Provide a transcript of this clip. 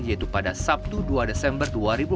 yaitu pada sabtu dua desember dua ribu tiga